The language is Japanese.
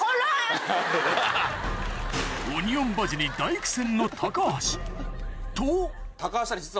オニオンバジに大苦戦の高橋と！